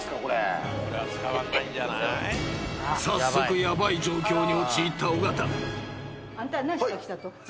［早速ヤバい状況に陥った尾形］